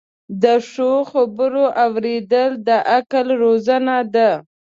د ښو خبرو اوریدل د عقل روزنه ده.